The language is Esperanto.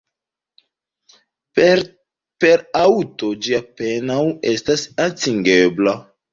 Per aŭto ĝi apenaŭ estas atingebla.